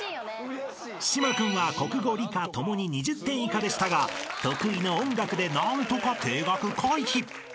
［島君は国語理科共に２０点以下でしたが得意の音楽で何とか停学回避］